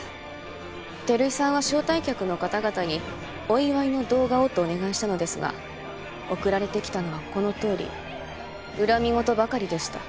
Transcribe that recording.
照井さんは招待客の方々にお祝いの動画をとお願いしたのですが送られてきたのはこのとおり恨み言ばかりでした。